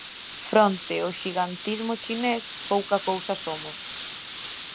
Fronte ao xigantismo chinés, pouca cousa somos.